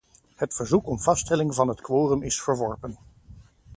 Het verzoek om vaststelling van het quorum is verworpen.